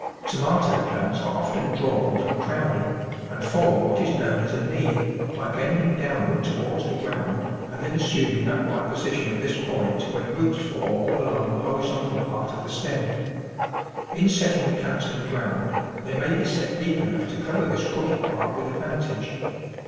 Tomato plants are often " drawn " from crowd ing and form what is known as a " knee " by bend ing downward towards the ground and then assum ing an upright position at this point when roots form all along the horizontal part of the stem. In setting the plants in the ground, they may be set deep enough to cover this crooked part with advan tage.